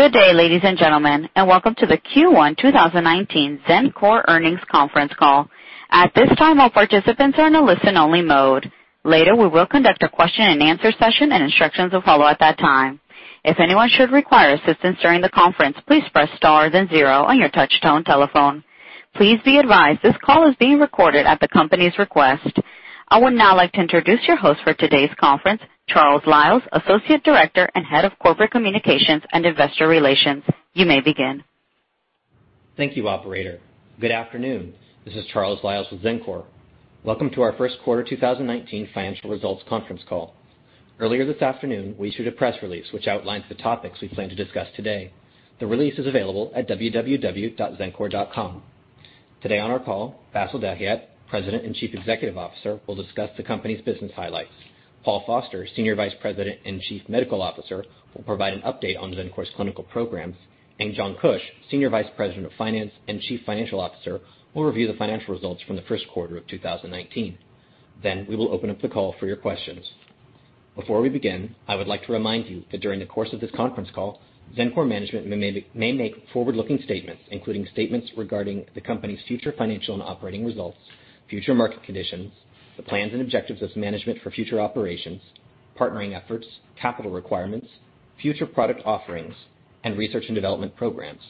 Good day, ladies and gentlemen, and welcome to the Q1 2019 Xencor Earnings Conference Call. At this time, all participants are in a listen-only mode. Later, we will conduct a question and answer session, and instructions will follow at that time. If anyone should require assistance during the conference, please press star then zero on your touch-tone telephone. Please be advised this call is being recorded at the company's request. I would now like to introduce your host for today's conference, Charles Liles, Associate Director and Head of Corporate Communications and Investor Relations. You may begin. Thank you, operator. Good afternoon. This is Charles Liles with Xencor. Welcome to our first quarter 2019 financial results conference call. Earlier this afternoon, we issued a press release which outlines the topics we plan to discuss today. The release is available at www.xencor.com. Today on our call, Bassil Dahiyat, President and Chief Executive Officer, will discuss the company's business highlights. Paul Foster, Senior Vice President and Chief Medical Officer, will provide an update on Xencor's clinical programs. We will open up the call for your questions. Before we begin, I would like to remind you that during the course of this conference call, Xencor management may make forward-looking statements, including statements regarding the company's future financial and operating results, future market conditions, the plans and objectives of management for future operations, partnering efforts, capital requirements, future product offerings, and research and development programs.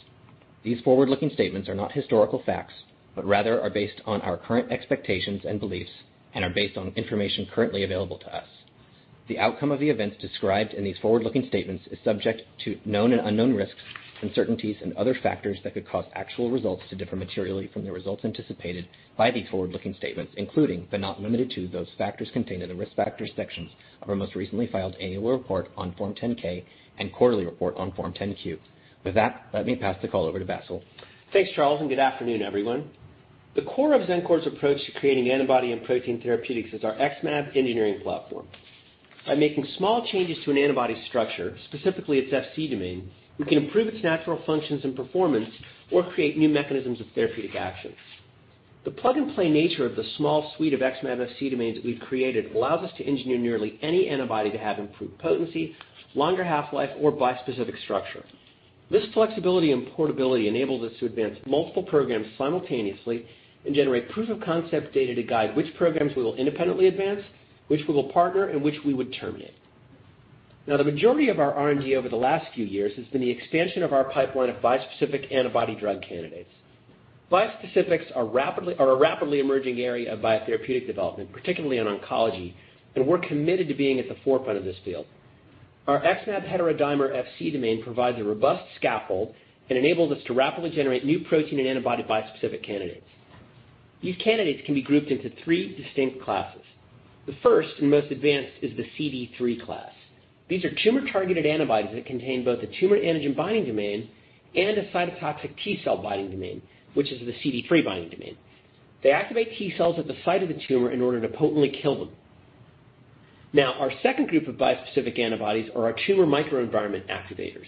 These forward-looking statements are not historical facts, but rather are based on our current expectations and beliefs and are based on information currently available to us. The outcome of the events described in these forward-looking statements is subject to known and unknown risks, uncertainties and other factors that could cause actual results to differ materially from the results anticipated by these forward-looking statements, including but not limited to those factors contained in the risk factors sections of our most recently filed annual report on Form 10-K and quarterly report on Form 10-Q. With that, let me pass the call over to Bassil. Thanks, Charles. Good afternoon, everyone. The core of Xencor's approach to creating antibody and protein therapeutics is our XmAb engineering platform. By making small changes to an antibody structure, specifically its Fc domain, we can improve its natural functions and performance or create new mechanisms of therapeutic action. The plug-and-play nature of the small suite of XmAb Fc domains that we've created allows us to engineer nearly any antibody to have improved potency, longer half-life or bispecific structure. This flexibility and portability enables us to advance multiple programs simultaneously and generate proof of concept data to guide which programs we will independently advance, which we will partner, and which we would terminate. The majority of our R&D over the last few years has been the expansion of our pipeline of bispecific antibody drug candidates. Bispecifics are a rapidly emerging area of biotherapeutic development, particularly in oncology. We're committed to being at the forefront of this field. Our XmAb heterodimer Fc domain provides a robust scaffold and enables us to rapidly generate new protein and antibody bispecific candidates. These candidates can be grouped into three distinct classes. The first, and most advanced, is the CD3 class. These are tumor-targeted antibodies that contain both a tumor antigen binding domain and a cytotoxic T cell binding domain, which is the CD3 binding domain. They activate T cells at the site of the tumor in order to potently kill them. Our second group of bispecific antibodies are our tumor microenvironment activators.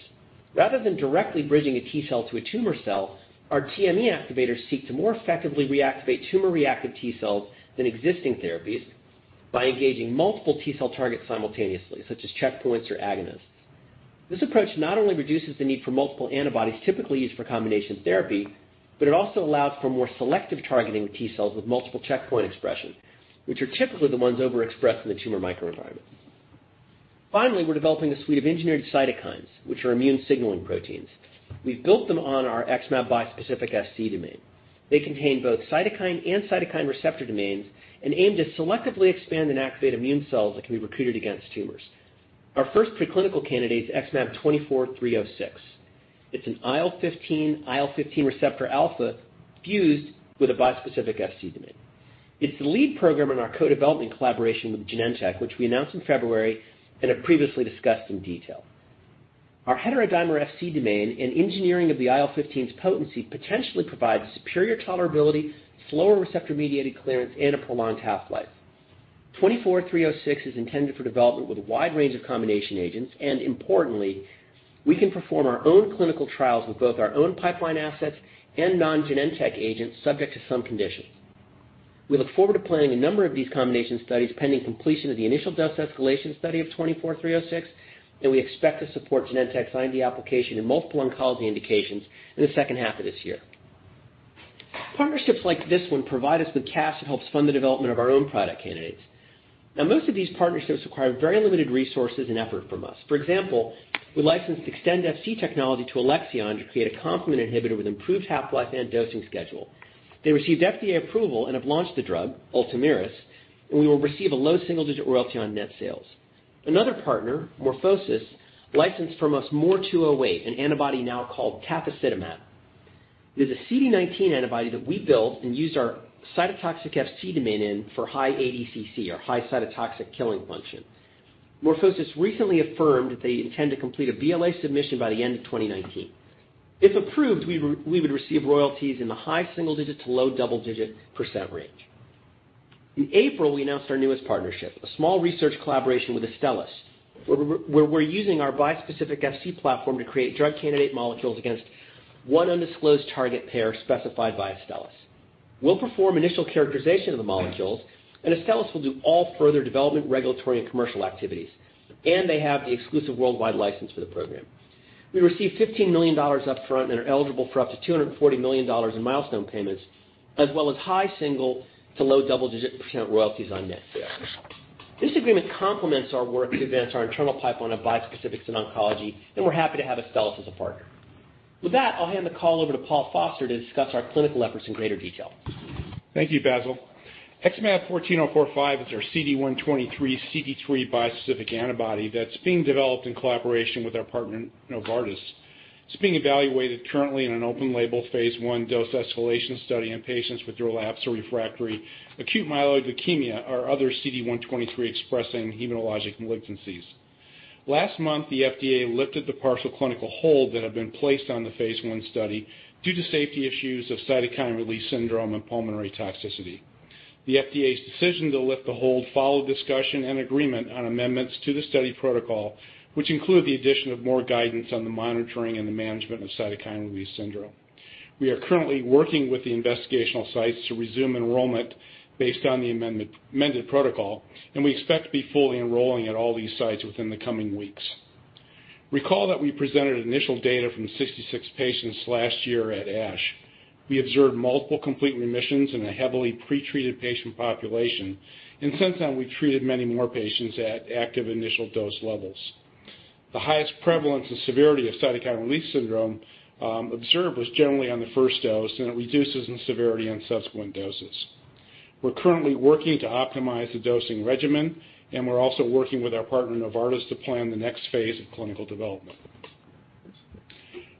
Rather than directly bridging a T cell to a tumor cell, our TME activators seek to more effectively reactivate tumor-reactive T cells than existing therapies by engaging multiple T cell targets simultaneously, such as checkpoints or agonists. This approach not only reduces the need for multiple antibodies typically used for combination therapy, but it also allows for more selective targeting of T cells with multiple checkpoint expression, which are typically the ones overexpressed in the tumor microenvironment. Finally, we're developing a suite of engineered cytokines, which are immune signaling proteins. We've built them on our XmAb bispecific Fc domain. They contain both cytokine and cytokine receptor domains and aim to selectively expand and activate immune cells that can be recruited against tumors. Our first preclinical candidate is XmAb24306. It's an IL-15, IL-15R-alpha fused with a bispecific Fc domain. It's the lead program in our co-development collaboration with Genentech, which we announced in February and have previously discussed in detail. Our heterodimer Fc domain and engineering of the IL-15's potency potentially provides superior tolerability, slower receptor-mediated clearance, and a prolonged half-life. 24306 is intended for development with a wide range of combination agents. Importantly, we can perform our own clinical trials with both our own pipeline assets and non-Genentech agents, subject to some conditions. We look forward to planning a number of these combination studies pending completion of the initial dose escalation study of 24306. We expect to support Genentech's IND application in multiple oncology indications in the second half of this year. Partnerships like this one provide us with cash that helps fund the development of our own product candidates. Most of these partnerships require very limited resources and effort from us. For example, we licensed Xtend Fc technology to Alexion to create a complement inhibitor with improved half-life and dosing schedule. They received FDA approval and have launched the drug, ULTOMIRIS, and we will receive a low single-digit royalty on net sales. Another partner, MorphoSys, licensed from us MOR208, an antibody now called tafasitamab. It is a CD19 antibody that we built and used our cytotoxic Fc domain in for high ADCC, or high cytotoxic killing function. MorphoSys recently affirmed that they intend to complete a BLA submission by the end of 2019. If approved, we would receive royalties in the high single-digit to low double-digit % range. In April, we announced our newest partnership, a small research collaboration with Astellas, where we're using our bispecific Fc platform to create drug candidate molecules against one undisclosed target pair specified by Astellas. We'll perform initial characterization of the molecules, and Astellas will do all further development, regulatory, and commercial activities. They have the exclusive worldwide license for the program. We received $15 million upfront and are eligible for up to $240 million in milestone payments, as well as high single-digit to low double-digit % royalties on net sales. This agreement complements our work to advance our internal pipeline of bispecifics in oncology, and we're happy to have Astellas as a partner. With that, I'll hand the call over to Paul Foster to discuss our clinical efforts in greater detail. Thank you, Bassil. XmAb14045 is our CD123/CD3 bispecific antibody that's being developed in collaboration with our partner, Novartis. It's being evaluated currently in an open label phase I dose escalation study in patients with relapsed or refractory acute myeloid leukemia or other CD123 expressing hematologic malignancies. Last month, the FDA lifted the partial clinical hold that had been placed on the phase I study due to safety issues of cytokine release syndrome and pulmonary toxicity. The FDA's decision to lift the hold followed discussion and agreement on amendments to the study protocol, which include the addition of more guidance on the monitoring and the management of cytokine release syndrome. We are currently working with the investigational sites to resume enrollment based on the amended protocol, and we expect to be fully enrolling at all these sites within the coming weeks. Recall that we presented initial data from 66 patients last year at ASH. We observed multiple complete remissions in a heavily pretreated patient population. Since then, we've treated many more patients at active initial dose levels. The highest prevalence and severity of cytokine release syndrome observed was generally on the first dose, and it reduces in severity on subsequent doses. We're currently working to optimize the dosing regimen, and we're also working with our partner, Novartis, to plan the next phase of clinical development.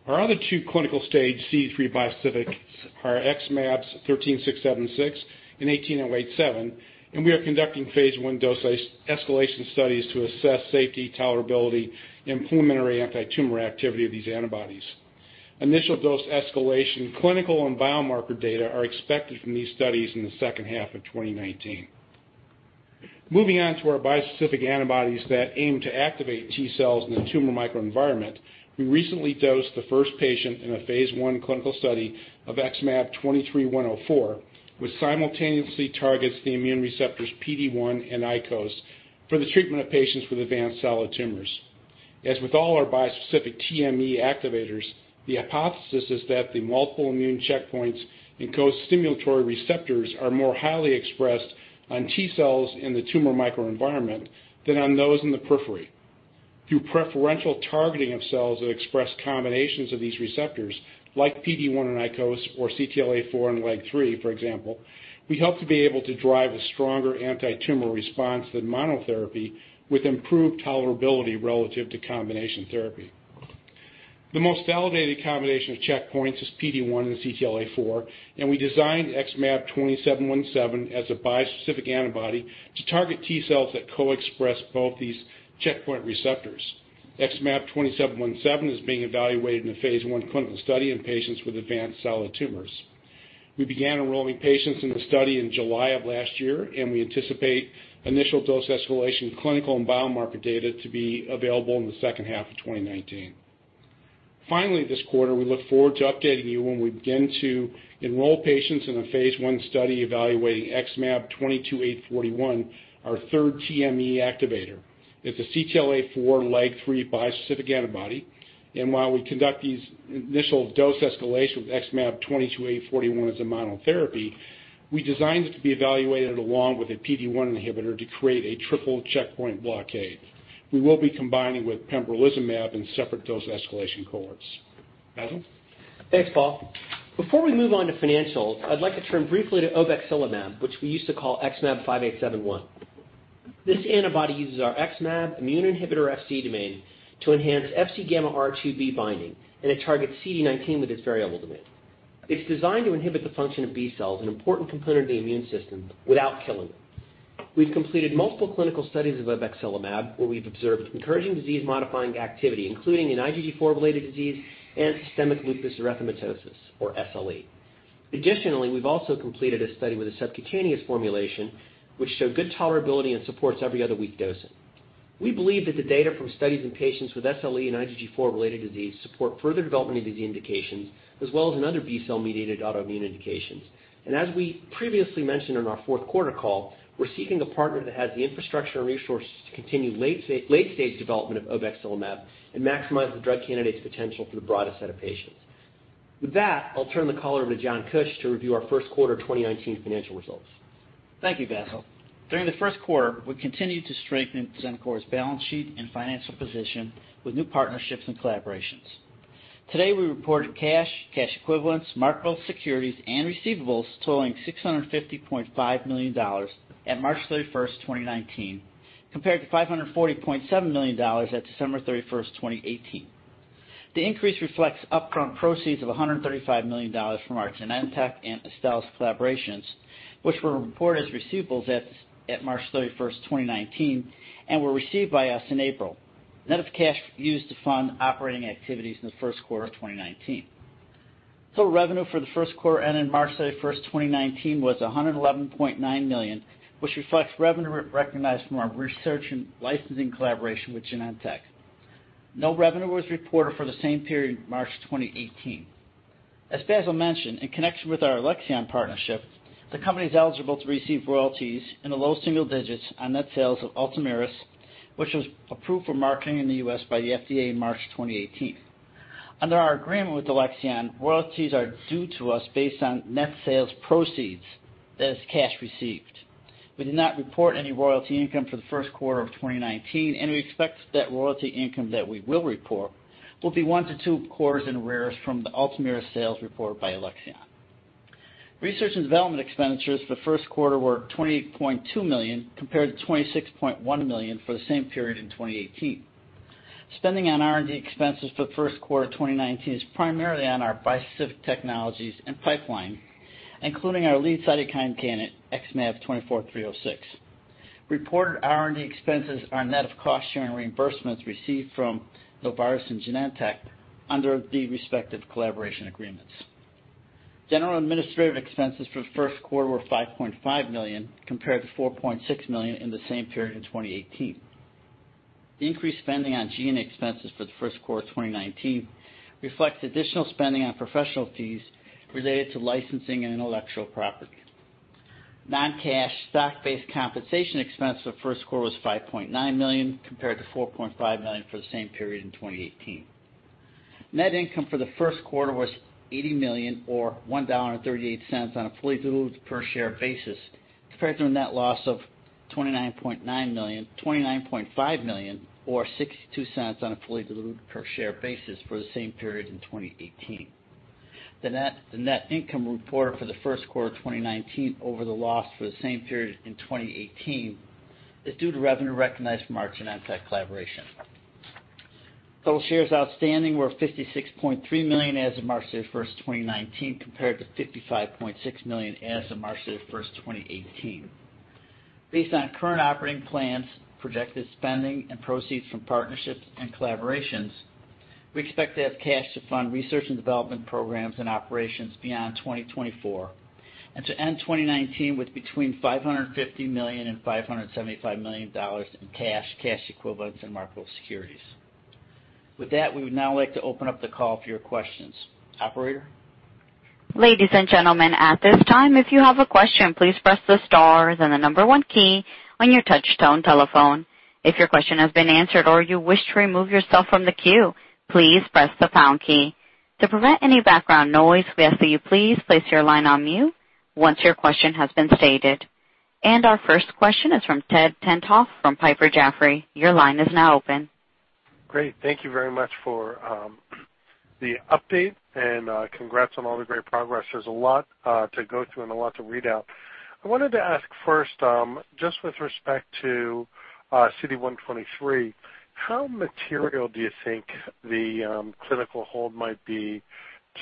Our other two clinical stage CD3 bispecific are XmAb13676 and XmAb18087, and we are conducting phase I dose escalation studies to assess safety, tolerability, and pulmonary anti-tumor activity of these antibodies. Initial dose escalation clinical and biomarker data are expected from these studies in the second half of 2019. Moving on to our bispecific antibodies that aim to activate T cells in the tumor microenvironment, we recently dosed the first patient in a phase I clinical study of XmAb23104, which simultaneously targets the immune receptors PD-1 and ICOS for the treatment of patients with advanced solid tumors. As with all our bispecific TME activators, the hypothesis is that the multiple immune checkpoints and co-stimulatory receptors are more highly expressed on T cells in the tumor microenvironment than on those in the periphery. Through preferential targeting of cells that express combinations of these receptors, like PD-1 and ICOS or CTLA-4 and LAG-3, for example, we hope to be able to drive a stronger anti-tumor response than monotherapy with improved tolerability relative to combination therapy. The most validated combination of checkpoints is PD-1 and CTLA-4, and we designed XmAb20717 as a bispecific antibody to target T cells that co-express both these checkpoint receptors. XmAb20717 is being evaluated in a phase I clinical study in patients with advanced solid tumors. We began enrolling patients in the study in July of last year, and we anticipate initial dose escalation clinical and biomarker data to be available in the second half of 2019. Finally, this quarter, we look forward to updating you when we begin to enroll patients in a phase I study evaluating XmAb22841, our third TME activator. It's a CTLA-4 x LAG-3 bispecific antibody, and while we conduct these initial dose escalation with XmAb22841 as a monotherapy, we designed it to be evaluated along with a PD-1 inhibitor to create a triple checkpoint blockade. We will be combining with pembrolizumab in separate dose escalation cohorts. Bassil? Thanks, Paul. Before we move on to financials, I'd like to turn briefly to obexelimab, which we used to call XmAb5871. This antibody uses our XmAb immune inhibitor Fc domain to enhance FcγRIIb binding, and it targets CD19 with its variable domain. It's designed to inhibit the function of B cells, an important component of the immune system, without killing them. We've completed multiple clinical studies of obexelimab, where we've observed encouraging disease modifying activity, including in IgG4-related disease and systemic lupus erythematosus, or SLE. Additionally, we've also completed a study with a subcutaneous formulation which showed good tolerability and supports every other week dosing. We believe that the data from studies in patients with SLE and IgG4-related disease support further development of these indications, as well as in other B cell-mediated autoimmune indications. As we previously mentioned in our fourth quarter call, we're seeking a partner that has the infrastructure and resources to continue late-stage development of obexelimab and maximize the drug candidate's potential for the broadest set of patients. With that, I'll turn the call over to John Kuch to review our first quarter 2019 financial results. Thank you, Bassil. During the first quarter, we continued to strengthen Xencor's balance sheet and financial position with new partnerships and collaborations. Today, we reported cash equivalents, marketable securities, and receivables totaling $650.5 million at March 31st, 2019, compared to $540.7 million at December 31st, 2018. The increase reflects upfront proceeds of $135 million from our Genentech and Astellas collaborations, which were reported as receivables at March 31st, 2019, and were received by us in April. None of the cash used to fund operating activities in the first quarter of 2019. Total revenue for the first quarter ending March 31st, 2019 was $111.9 million, which reflects revenue recognized from our research and licensing collaboration with Genentech. No revenue was reported for the same period in March 2018. As Bassil mentioned, in connection with our Alexion partnership, the company's eligible to receive royalties in the low single digits on net sales of ULTOMIRIS, which was approved for marketing in the U.S. by the FDA in March 2018. Under our agreement with Alexion, royalties are due to us based on net sales proceeds, that is cash received. We did not report any royalty income for the first quarter of 2019, and we expect that royalty income that we will report will be one to two quarters in arrears from the ULTOMIRIS sales report by Alexion. Research and development expenditures for the first quarter were $28.2 million, compared to $26.1 million for the same period in 2018. Spending on R&D expenses for the first quarter of 2019 is primarily on our bispecific technologies and pipeline, including our lead cytokine candidate, XmAb24306. Reported R&D expenses are net of cost-sharing reimbursements received from Novartis and Genentech under the respective collaboration agreements. General administrative expenses for the first quarter were $5.5 million, compared to $4.6 million in the same period in 2018. The increased spending on G&A expenses for the first quarter of 2019 reflects additional spending on professional fees related to licensing and intellectual property. Non-cash stock-based compensation expense for the first quarter was $5.9 million, compared to $4.5 million for the same period in 2018. Net income for the first quarter was $80 million, or $1.38 on a fully diluted per share basis, compared to a net loss of $29.5 million, or $0.62 on a fully diluted per share basis for the same period in 2018. The net income reported for the first quarter of 2019 over the loss for the same period in 2018 is due to revenue recognized from our Genentech collaboration. Total shares outstanding were 56.3 million as of March 31st, 2019, compared to 55.6 million as of March 31st, 2018. Based on current operating plans, projected spending, and proceeds from partnerships and collaborations, we expect to have cash to fund research and development programs and operations beyond 2024, and to end 2019 with between $550 million and $575 million in cash equivalents, and marketable securities. With that, we would now like to open up the call for your questions. Operator? Ladies and gentlemen, at this time, if you have a question, please press the star then the number one key on your touch tone telephone. If your question has been answered or you wish to remove yourself from the queue, please press the pound key. To prevent any background noise, we ask that you please place your line on mute once your question has been stated. Our first question is from Ted Tenthoff from Piper Jaffray. Your line is now open. Great. Thank you very much for the update, and congrats on all the great progress. There's a lot to go through and a lot to read out. I wanted to ask first, just with respect to CD123, how material do you think the clinical hold might be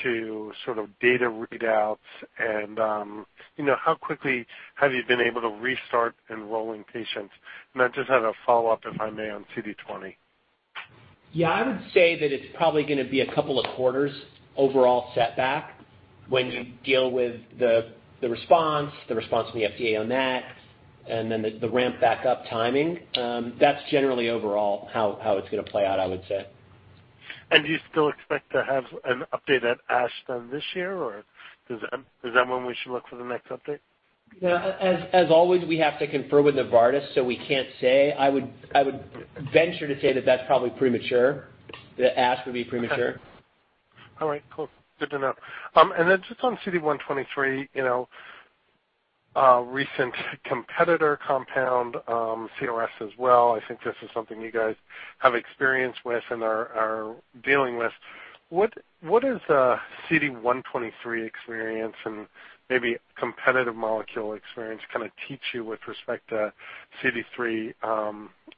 to sort of data readouts and how quickly have you been able to restart enrolling patients? I just have a follow-up, if I may, on CD20. Yeah, I would say that it's probably going to be a couple of quarters overall setback when you deal with the response from the FDA on that, and then the ramp back up timing. That's generally overall how it's going to play out, I would say. Do you still expect to have an update at ASH then this year, or is that when we should look for the next update? As always, we have to confer with Novartis, so we can't say. I would venture to say that that's probably premature. The ASH would be premature. All right, cool. Good to know. Then just on CD123, recent competitor compound CRS as well. I think this is something you guys have experience with and are dealing with. What does CD123 experience and maybe competitive molecule experience kind of teach you with respect to CD3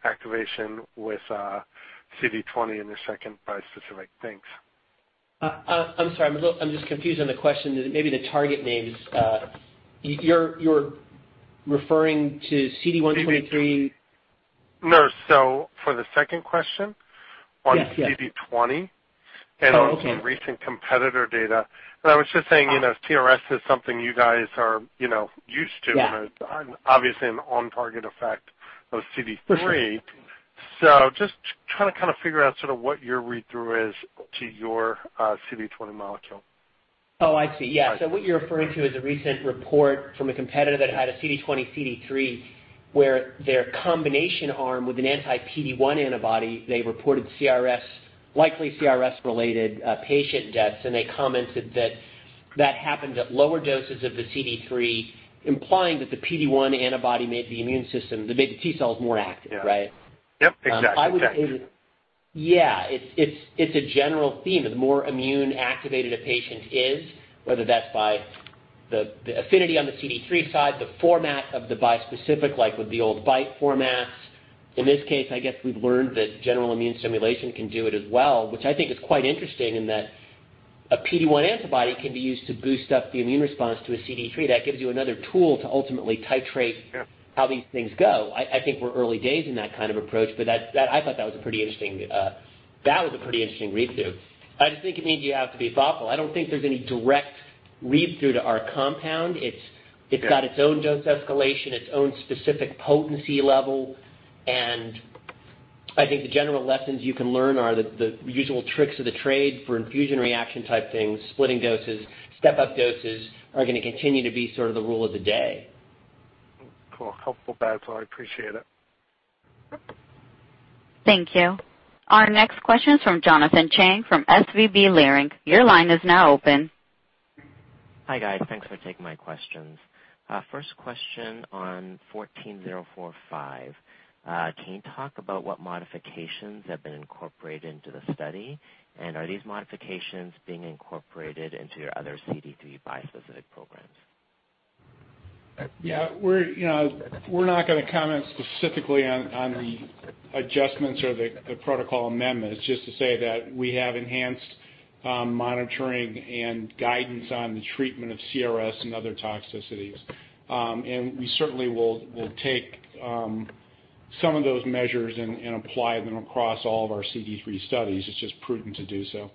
activation with CD20 in your second bispecific? Thanks. I'm sorry. I'm just confused on the question. Maybe the target names. You're referring to CD123- No. For the second question- Yes on CD20- Oh, okay On some recent competitor data. I was just saying, CRS is something you guys are used to. Yeah. Obviously an on-target effect of CD3. For sure. Just trying to kind of figure out sort of what your read-through is to your CD20 molecule. Oh, I see. Yeah. What you're referring to is a recent report from a competitor that had a CD20/CD3, where their combination arm with an anti-PD-1 antibody, they reported likely CRS-related patient deaths, and they commented that that happened at lower doses of the CD3, implying that the PD-1 antibody made the T cells more active, right? Yep. Exactly. Yeah. It's a general theme, the more immune activated a patient is, whether that's by the affinity on the CD3 side, the format of the bispecific, like with the old BiTE formats. In this case, I guess we've learned that general immune stimulation can do it as well, which I think is quite interesting in that a PD-1 antibody can be used to boost up the immune response to a CD3. That gives you another tool to ultimately titrate. Sure How these things go. I think we're early days in that kind of approach, but I thought that was a pretty interesting read-through. I just think it means you have to be thoughtful. I don't think there's any direct. Leads through to our compound. Yeah. It's got its own dose escalation, its own specific potency level, and I think the general lessons you can learn are the usual tricks of the trade for infusion reaction type things, splitting doses, step-up doses are going to continue to be sort of the rule of the day. Cool. Helpful, Bassil. I appreciate it. Thank you. Our next question is from Jonathan Chang from SVB Leerink. Your line is now open. Hi, guys. Thanks for taking my questions. First question on XmAb14045. Can you talk about what modifications have been incorporated into the study? Are these modifications being incorporated into your other CD3 bispecific programs? Yeah. We're not going to comment specifically on the adjustments or the protocol amendments, just to say that we have enhanced monitoring and guidance on the treatment of CRS and other toxicities. We certainly will take some of those measures and apply them across all of our CD3 studies. It's just prudent to do so.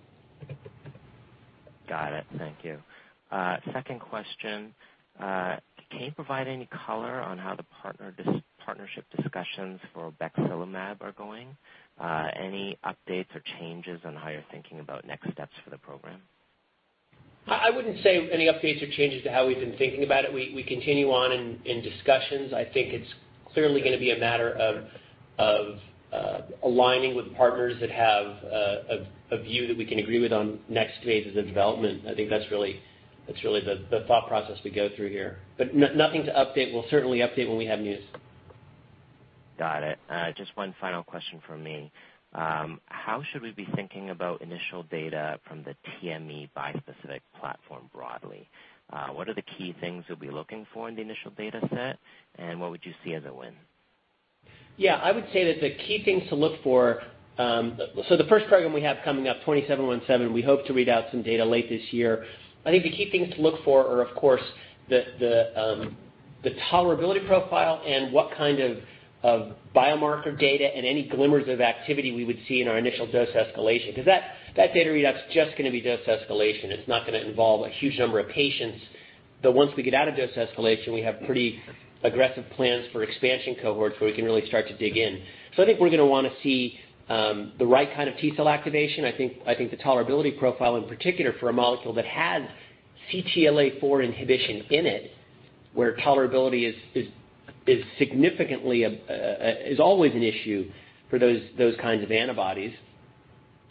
Got it. Thank you. Second question. Can you provide any color on how the partnership discussions for obexelimab are going? Any updates or changes on how you're thinking about next steps for the program? I wouldn't say any updates or changes to how we've been thinking about it. We continue on in discussions. I think it's clearly going to be a matter of aligning with partners that have a view that we can agree with on next phases of development. I think that's really the thought process we go through here. Nothing to update. We'll certainly update when we have news. Got it. Just one final question from me. How should we be thinking about initial data from the TME bispecific platform broadly? What are the key things you'll be looking for in the initial data set, and what would you see as a win? I would say that the key things to look for. The first program we have coming up, 2717, we hope to read out some data late this year. I think the key things to look for are, of course, the tolerability profile and what kind of biomarker data and any glimmers of activity we would see in our initial dose escalation, because that data readout's just going to be dose escalation. It's not going to involve a huge number of patients. Once we get out of dose escalation, we have pretty aggressive plans for expansion cohorts where we can really start to dig in. I think we're going to want to see the right kind of T-cell activation. I think the tolerability profile, in particular, for a molecule that has CTLA-4 inhibition in it, where tolerability is always an issue for those kinds of antibodies.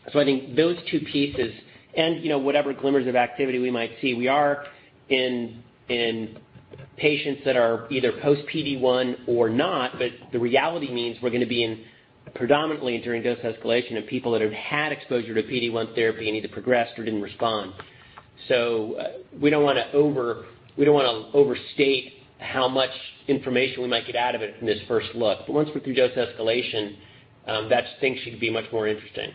I think those two pieces and whatever glimmers of activity we might see. We are in patients that are either post-PD-1 or not, but the reality means we're going to be in predominantly during dose escalation of people that have had exposure to PD-1 therapy and either progressed or didn't respond. We don't want to overstate how much information we might get out of it from this first look. Once we're through dose escalation, that thing should be much more interesting.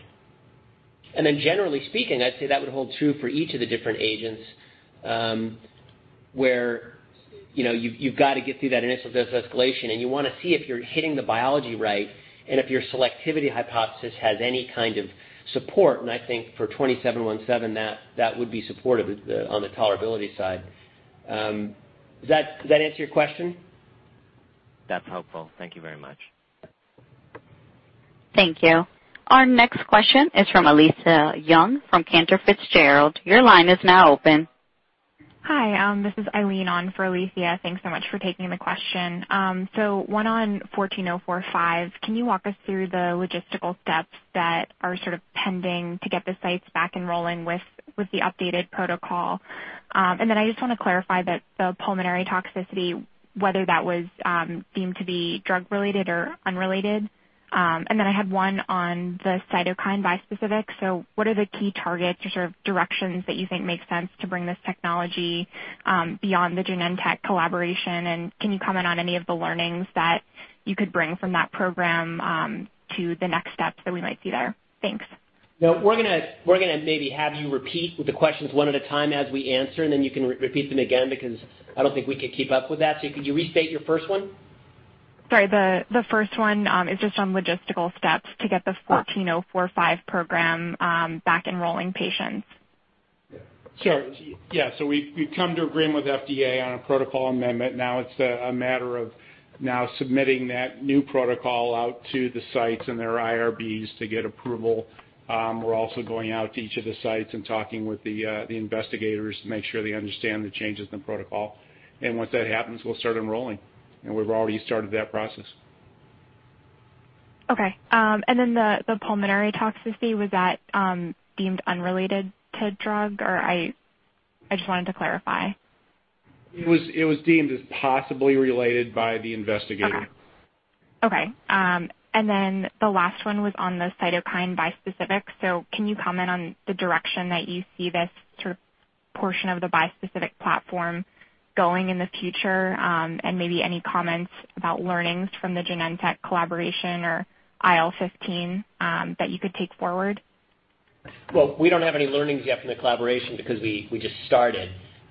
Generally speaking, I'd say that would hold true for each of the different agents, where you've got to get through that initial dose escalation, and you want to see if you're hitting the biology right and if your selectivity hypothesis has any kind of support. I think for twenty-seven one seven, that would be supportive on the tolerability side. Does that answer your question? That's helpful. Thank you very much. Thank you. Our next question is from Alethia Young from Cantor Fitzgerald. Your line is now open. Hi. This is Eileen on for Alethia. Thanks so much for taking the question. One on 14045. Can you walk us through the logistical steps that are sort of pending to get the sites back enrolling with the updated protocol? I just want to clarify that the pulmonary toxicity, whether that was deemed to be drug-related or unrelated. I had one on the cytokine bispecific. What are the key targets or sort of directions that you think make sense to bring this technology beyond the Genentech collaboration? Can you comment on any of the learnings that you could bring from that program to the next steps that we might see there? Thanks. We're going to maybe have you repeat with the questions one at a time as we answer, and then you can repeat them again because I don't think we could keep up with that. Could you restate your first one? Sorry. The first one is just on logistical steps to get the 14045 program back enrolling patients. Sure. Yeah. We've come to agreement with FDA on a protocol amendment. Now it's a matter of now submitting that new protocol out to the sites and their IRBs to get approval. We're also going out to each of the sites and talking with the investigators to make sure they understand the changes in protocol. Once that happens, we'll start enrolling, and we've already started that process. Okay. Then the pulmonary toxicity, was that deemed unrelated to drug? I just wanted to clarify. It was deemed as possibly related by the investigator. Okay. Then the last one was on the cytokine bispecific. Can you comment on the direction that you see this sort of portion of the bispecific platform going in the future? Maybe any comments about learnings from the Genentech collaboration or IL-15 that you could take forward? Well, we don't have any learnings yet from the collaboration because we just started.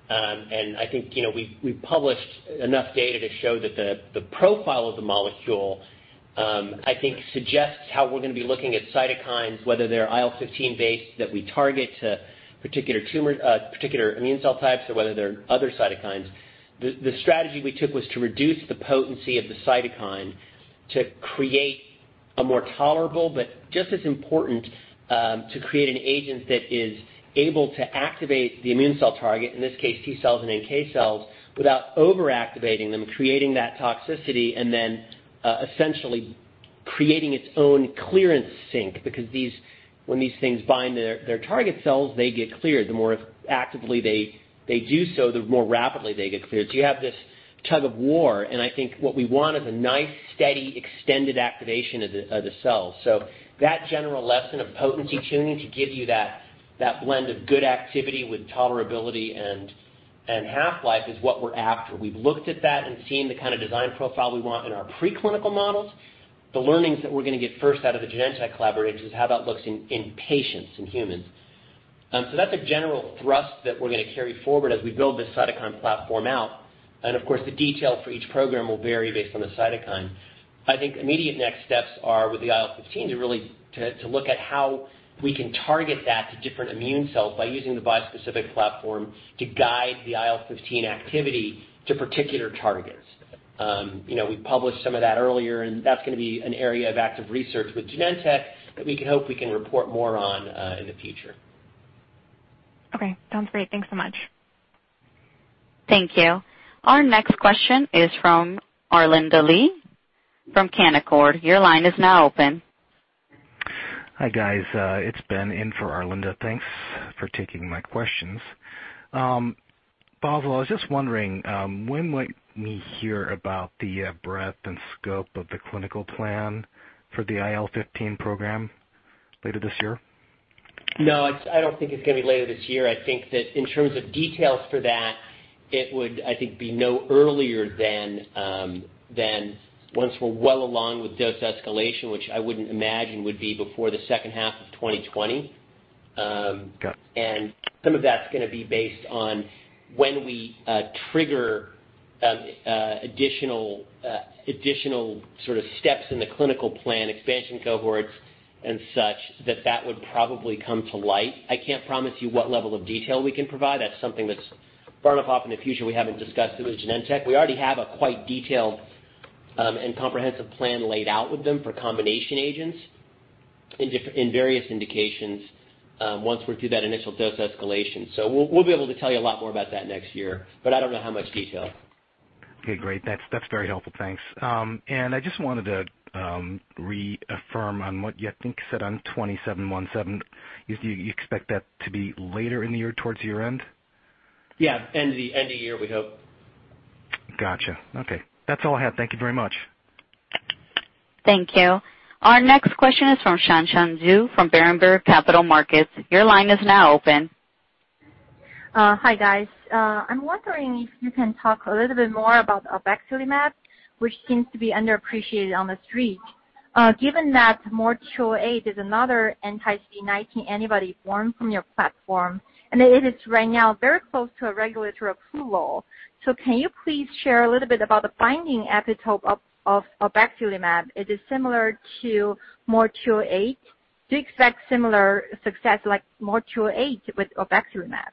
I think we published enough data to show that the profile of the molecule, I think, suggests how we're going to be looking at cytokines, whether they're IL-15 based that we target to particular immune cell types or whether they're other cytokines. The strategy we took was to reduce the potency of the cytokine to create a more tolerable, but just as important, to create an agent that is able to activate the immune cell target, in this case T cells and NK cells, without over-activating them, creating that toxicity, and then essentially creating its own clearance sink, because when these things bind their target cells, they get cleared. The more actively they do so, the more rapidly they get cleared. You have this tug of war, and I think what we want is a nice, steady, extended activation of the cells. That general lesson of potency tuning to give you that blend of good activity with tolerability and half-life is what we're after. We've looked at that and seen the kind of design profile we want in our preclinical models. The learnings that we're going to get first out of the Genentech collaboration is how that looks in patients, in humans. That's a general thrust that we're going to carry forward as we build this cytokine platform out. Of course, the detail for each program will vary based on the cytokine. I think immediate next steps are with the IL-15 to really look at how we can target that to different immune cells by using the bispecific platform to guide the IL-15 activity to particular targets. We've published some of that earlier, that's going to be an area of active research with Genentech that we can hope we can report more on in the future. Okay, sounds great. Thanks so much. Thank you. Our next question is from Arlinda Lee from Canaccord. Your line is now open. Hi, guys. It's Ben in for Arlinda. Thanks for taking my questions. Paul Foster, I was just wondering, when might we hear about the breadth and scope of the clinical plan for the IL-15 program? Later this year? No, I don't think it's going to be later this year. I think that in terms of details for that, it would, I think, be no earlier than once we're well along with dose escalation, which I wouldn't imagine would be before the second half of 2020. Got it. Some of that's going to be based on when we trigger additional sort of steps in the clinical plan, expansion cohorts and such, that that would probably come to light. I can't promise you what level of detail we can provide. That's something that's far enough off in the future we haven't discussed it with Genentech. We already have a quite detailed and comprehensive plan laid out with them for combination agents in various indications once we're through that initial dose escalation. We'll be able to tell you a lot more about that next year, but I don't know how much detail. Okay, great. That's very helpful. Thanks. I just wanted to reaffirm on what you said on 2717. You expect that to be later in the year, towards the year-end? Yeah, end of year, we hope. Got you. Okay. That's all I have. Thank you very much. Thank you. Our next question is from Shanshan Zhu from Berenberg Capital Markets. Your line is now open. Hi, guys. I'm wondering if you can talk a little bit more about obexelimab, which seems to be underappreciated on the street. Given that MOR208 is another anti-CD19 antibody born from your platform, it is right now very close to a regulatory approval. Can you please share a little bit about the binding epitope of obexelimab? Is it similar to MOR208? Do you expect similar success like MOR208 with obexelimab?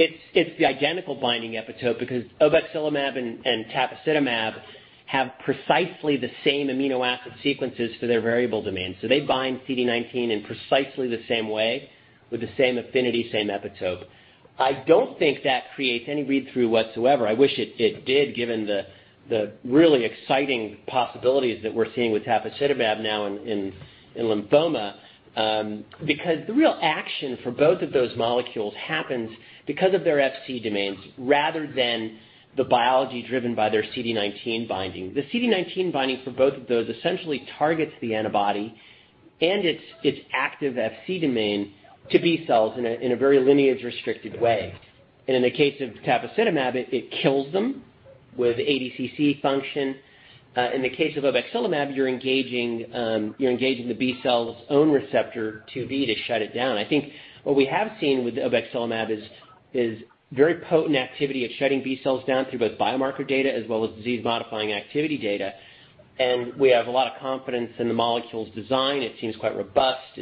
It's the identical binding epitope because obexelimab and tafasitamab have precisely the same amino acid sequences for their variable domains. They bind CD19 in precisely the same way with the same affinity, same epitope. I don't think that creates any read-through whatsoever. I wish it did, given the really exciting possibilities that we're seeing with tafasitamab now in lymphoma. The real action for both of those molecules happens because of their Fc domains rather than the biology driven by their CD19 binding. The CD19 binding for both of those essentially targets the antibody and its active Fc domain to B cells in a very lineage-restricted way. In the case of tafasitamab, it kills them with ADCC function. In the case of obexelimab, you're engaging the B cell's own receptor, FcγRIIb, to shut it down. I think what we have seen with obexelimab is very potent activity of shutting B cells down through both biomarker data as well as disease-modifying activity data. We have a lot of confidence in the molecule's design. It seems quite robust.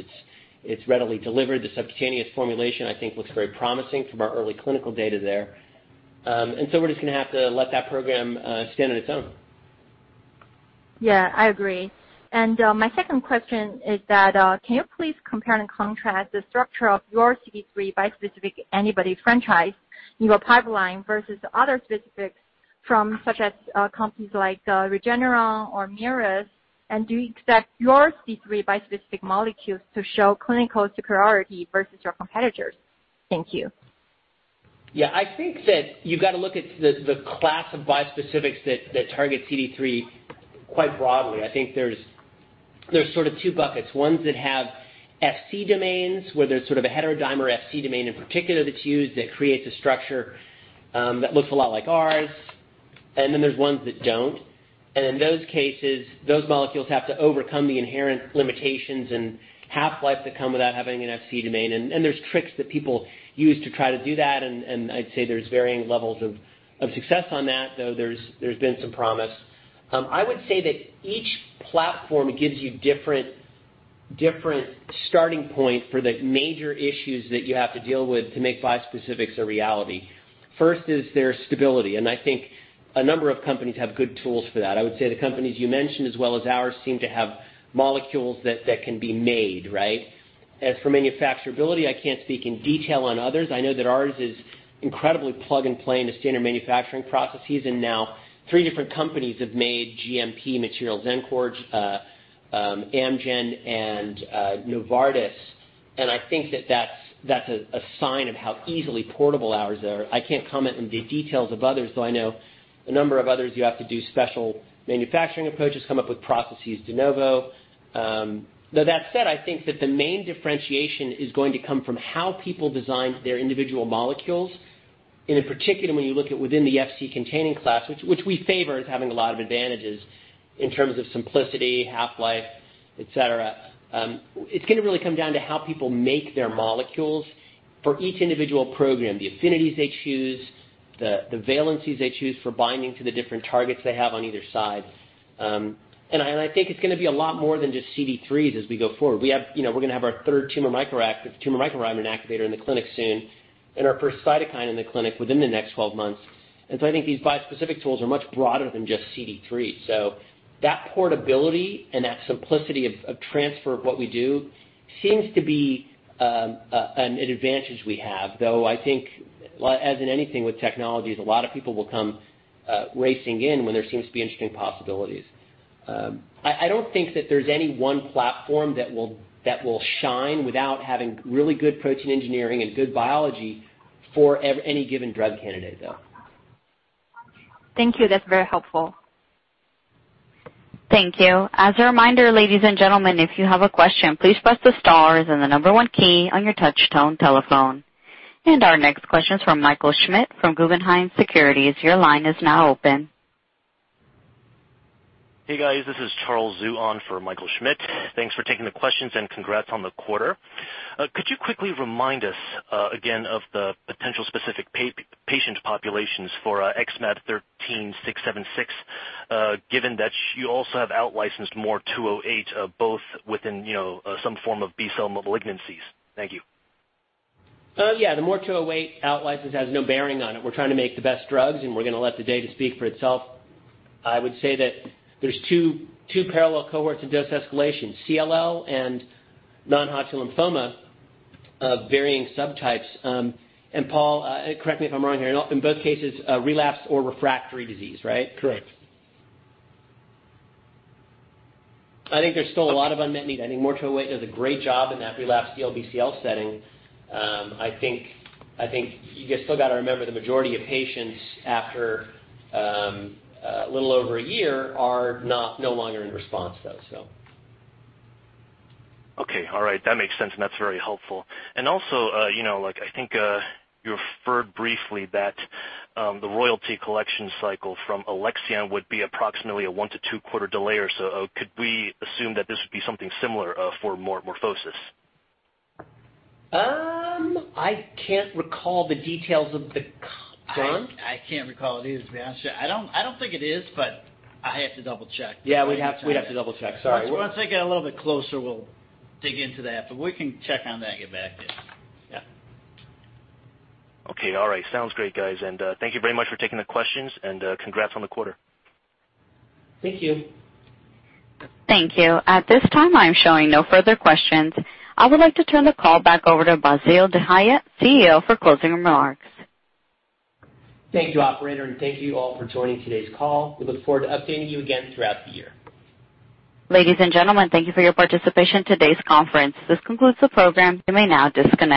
It's readily delivered. The subcutaneous formulation, I think, looks very promising from our early clinical data there. We're just going to have to let that program stand on its own. Yeah, I agree. My second question is that, can you please compare and contrast the structure of your CD3 bispecific antibody franchise in your pipeline versus other specifics from such as companies like Regeneron or MacroGenics? Do you expect your CD3 bispecific molecules to show clinical superiority versus your competitors? Thank you. I think that you've got to look at the class of bispecifics that target CD3 quite broadly. I think there's sort of two buckets. Ones that have Fc domains, where there's sort of a heterodimer Fc domain in particular that's used that creates a structure that looks a lot like ours, and then there's ones that don't. In those cases, those molecules have to overcome the inherent limitations and half-life that come without having an Fc domain, and there's tricks that people use to try to do that, and I'd say there's varying levels of success on that, though there's been some promise. I would say that each platform gives you different starting point for the major issues that you have to deal with to make bispecifics a reality. First is their stability, and I think a number of companies have good tools for that. I would say the companies you mentioned, as well as ours, seem to have molecules that can be made. As for manufacturability, I can't speak in detail on others. I know that ours is incredibly plug-and-play into standard manufacturing processes, and now three different companies have made GMP materials, Xencor, Amgen, and Novartis. I think that's a sign of how easily portable ours are. I can't comment on the details of others, though I know a number of others you have to do special manufacturing approaches, come up with processes de novo. That said, I think that the main differentiation is going to come from how people designed their individual molecules, and in particular, when you look at within the Fc containing class, which we favor as having a lot of advantages in terms of simplicity, half-life, et cetera. It's going to really come down to how people make their molecules for each individual program, the affinities they choose, the valencies they choose for binding to the different targets they have on either side. I think it's going to be a lot more than just CD3s as we go forward. We're going to have our third tumor microenvironment activator in the clinic soon, and our first cytokine in the clinic within the next 12 months. I think these bispecific tools are much broader than just CD3. That portability and that simplicity of transfer of what we do seems to be an advantage we have, though I think, as in anything with technologies, a lot of people will come racing in when there seems to be interesting possibilities. I don't think that there's any one platform that will shine without having really good protein engineering and good biology for any given drug candidate, though. Thank you. That's very helpful. Thank you. As a reminder, ladies and gentlemen, if you have a question, please press the star and the number one key on your touch-tone telephone. Our next question is from Michael Schmidt from Guggenheim Securities. Your line is now open. Hey, guys. This is Charles Zhu on for Michael Schmidt. Thanks for taking the questions and congrats on the quarter. Could you quickly remind us again of the potential specific patient populations for XmAb13676, given that you also have outlicensed MOR208, both within some form of B-cell malignancies? Thank you. Yeah. The MOR208 outlicense has no bearing on it. We're trying to make the best drugs, and we're going to let the data speak for itself. I would say that there's two parallel cohorts in dose escalation, CLL and non-Hodgkin lymphoma of varying subtypes. Paul, correct me if I'm wrong here. In both cases, relapsed or refractory disease, right? Correct. I think there's still a lot of unmet need. I think MOR208 does a great job in that relapsed DLBCL setting. I think you just still got to remember the majority of patients after a little over a year are no longer in response though, so Okay. All right. That makes sense, and that's very helpful. Also, I think you referred briefly that the royalty collection cycle from Alexion would be approximately a one to two quarter delay or so. Could we assume that this would be something similar for MorphoSys? I can't recall the details of the. John? I can't recall it either, to be honest with you. I don't think it is, but I have to double-check. Yeah. We'd have to double-check. Sorry. Once we get a little bit closer, we'll dig into that, but we can check on that and get back to you. Yeah. Okay. All right. Sounds great, guys. Thank you very much for taking the questions and congrats on the quarter. Thank you. Thank you. At this time, I am showing no further questions. I would like to turn the call back over to Bassil Dahiyat, CEO, for closing remarks. Thank you, operator, and thank you all for joining today's call. We look forward to updating you again throughout the year. Ladies and gentlemen, thank you for your participation in today's conference. This concludes the program. You may now disconnect.